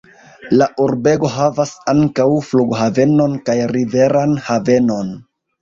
La urbego havas ankaŭ flughavenon kaj riveran havenon.